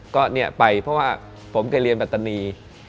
ก็เนี่ยไปเพราะว่าผมเคยเรียนปัตตานี